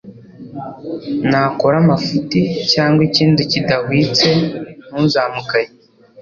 nakora amafuti cyangwa ikindi kidahwitse ntuzamugaye